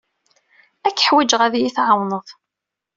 Ad k-ḥwijeɣ ad iyi-tɛawneḍ.